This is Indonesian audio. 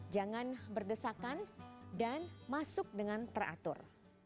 jangan berdesakan dan masuk dengan teratur